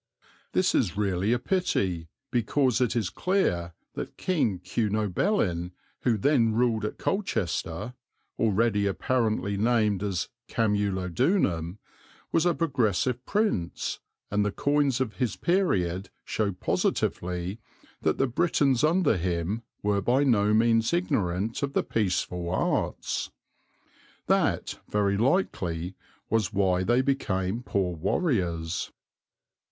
This is really a pity, because it is clear that King Cunobelin, who then ruled at Colchester, already apparently named as Camulodunum, was a progressive prince, and the coins of his period show positively that the Britons under him were by no means ignorant of the peaceful arts. That, very likely, was why they became poor warriors.